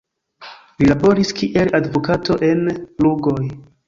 Li laboris kiel advokato en Lugoj.